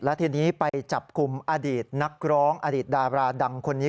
ทีนี้ไปจับกลุ่มอดีตนักร้องอดีตดาราดังคนนี้